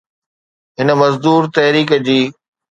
هن مزدور تحريڪ جي